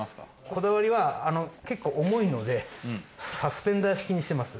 こだわりは結構重いのでサスペンダー式にしてます。